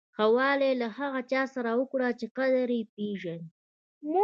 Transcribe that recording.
ښه والی له هغه چا سره وکړه چې قدر یې پیژني.